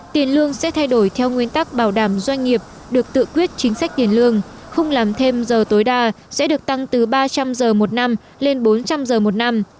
tiền lương sẽ thay đổi theo nguyên tắc bảo đảm doanh nghiệp được tự quyết chính sách tiền lương không làm thêm giờ tối đa sẽ được tăng từ ba trăm linh giờ một năm lên bốn trăm linh giờ một năm